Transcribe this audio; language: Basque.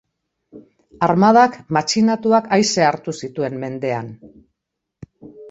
Armadak matxinatuak aise hartu zituen mendean.